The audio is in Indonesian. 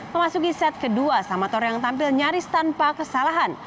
memasuki set kedua samator yang tampil nyaris tanpa kesalahan